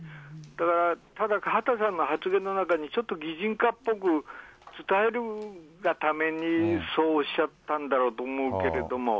ただ、畑さんの発言の中にちょっと擬人化っぽく、伝えるがために、そうおっしゃったんだろうと思うけれども。